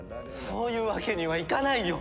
そういうわけにはいかないよ！